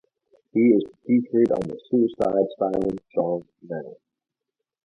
He is featured on the Suicide Silence song Smashed.